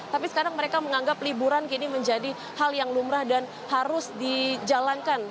tapi sekarang mereka menganggap liburan kini menjadi hal yang lumrah dan harus dijalankan